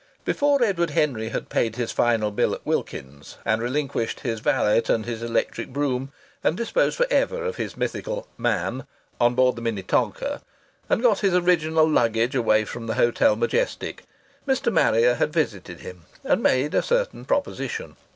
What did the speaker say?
Before Edward Henry had paid his final bill at Wilkins's and relinquished his valet and his electric brougham, and disposed for ever of his mythical "man" on board the Minnetonka, and got his original luggage away from the Hotel Majestic, Mr. Marrier had visited him and made a certain proposition.